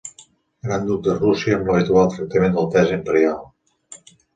Gran duc de Rússia amb l'habitual tractament d'altesa imperial.